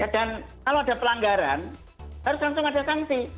dan kalau ada pelanggaran harus langsung ada sanksi